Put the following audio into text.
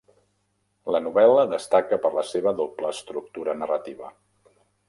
La novel·la destaca per la seva doble estructura narrativa.